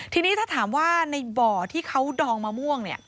ทีนี้ถ้าถามว่าในบ่อที่เขาดองมะม่วง